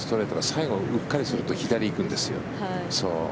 最後うっかりすると左に行くんです。